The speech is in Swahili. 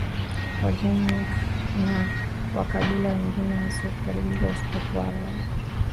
wa Wagermanik na makabila mengine yasiyostaarabika askofu wa Roma